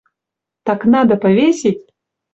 Так надо повесить!